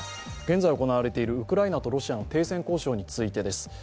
現在行われているウクライナとロシアの停戦交渉についてです。